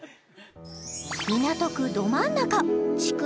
港区ど真ん中築